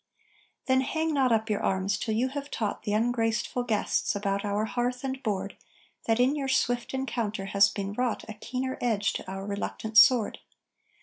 Then hang not up your arms till you have taught The ungrateful guests about our hearth and board That in your swift encounter has been wrought A keener edge to our reluctant sword.